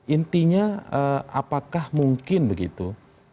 intinya apakah mungkin begitu